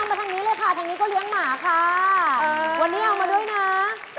อ้าวแล้ว๓อย่างนี้แบบไหนราคาถูกที่สุด